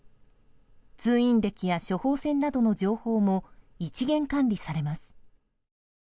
通院歴や処方箋などの情報も一元管理されます。